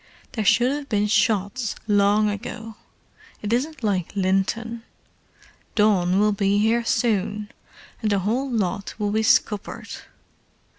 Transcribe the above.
"There should hove been shots long ago. It isn't like Linton. Dawn will be here soon, and the whole lot will be scuppered."